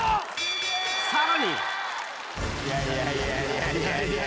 さらに